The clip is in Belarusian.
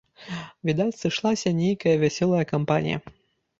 Відаць, сышлася нейкая вясёлая кампанія.